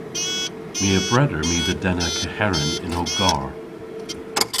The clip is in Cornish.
My a breder my dhe denna keheren yn ow garr.